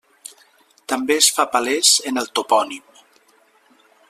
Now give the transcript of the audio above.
També es fa palès en el topònim.